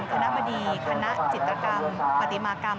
คณะบดีคณะจิตกรรมปฏิมากรรม